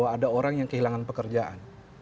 ada orang yang kehilangan pekerjaan